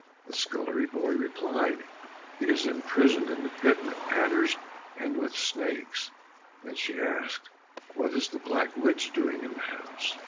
The scullery boy replied, "He is imprisoned in the pit with adders and with snakes." Then she asked, "What is the black witch doing in the house?"